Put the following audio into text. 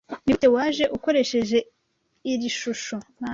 Nigute waje ukoresheje iri shusho?